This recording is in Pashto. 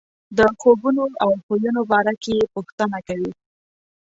د خوبونو او خویونو باره کې یې پوښتنې کوي.